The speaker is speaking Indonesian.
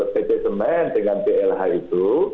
tg kemen dengan plh itu